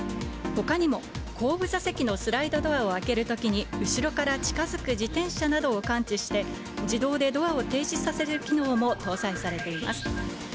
ほかにも、後部座席のスライドドアを開けるときに、後ろから近づく自転車などを感知して、自動でドアを停止させる機能も搭載されています。